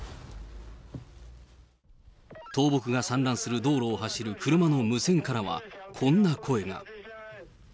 倒木が散乱する道路を走る車の無線からは、こんな声が。